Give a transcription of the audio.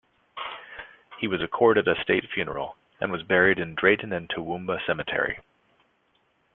He was accorded a State funeral, and was buried in Drayton and Toowoomba Cemetery.